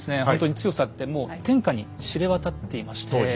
ほんとに強さってもう天下に知れ渡っていまして。